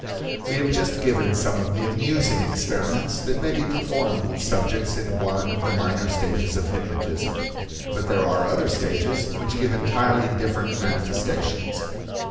We have just given some of the amusing experiments that may be performed with subjects in one of the minor stages of hypnotism. But there are other stages which give entirely different manifestations.